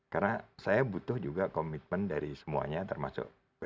karena saya butuh juga komitmen dari semuanya termasuk periksaan